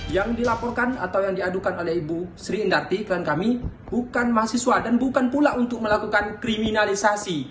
yang dilaporkan atau yang diadukan oleh ibu sri indarti klien kami bukan mahasiswa dan bukan pula untuk melakukan kriminalisasi